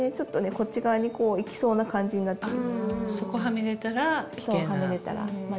こっち側に行きそうな感じになってる。